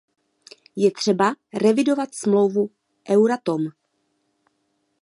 Je třeba revidovat smlouvu Euratom.